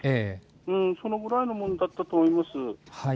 そのくらいのものだったと思います。